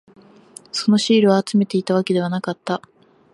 そのシールを集めていたわけではなかった。